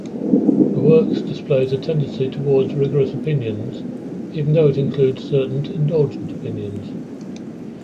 The works displays a tendency toward rigorous opinions, even though it includes certain indulgent opinions.